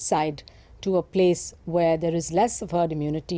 saat mereka keluar ke tempat yang tidak memiliki herd immunity